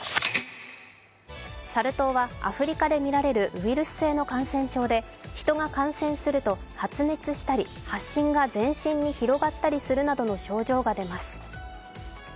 サル痘はアフリカで見られるウイルス性の感染症でヒトが感染すると発熱したり発疹が全身に広がったりするなどの症状が出ます。